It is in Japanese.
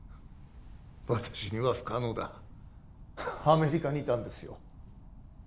私には不可能だアメリカにいたんですよ